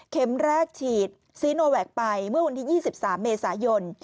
แรกฉีดซีโนแวคไปเมื่อวันที่๒๓เมษายน